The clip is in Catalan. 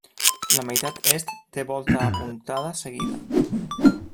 La meitat est té volta apuntada seguida.